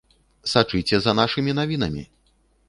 Сачыце за нашымі навінамі!